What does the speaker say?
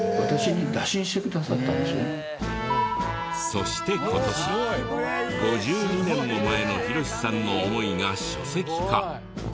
そして今年５２年も前の浩さんの思いが書籍化。